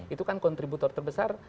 itu kan kontributor terbesar